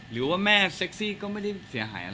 หรือว่าแม่เซ็กซี่ก็ไม่ได้เสียหายอะไร